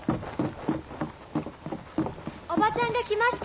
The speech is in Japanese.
おばちゃんが来ました！